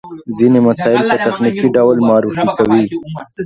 ځينې مسایل په تخنیکي ډول معرفي کوي.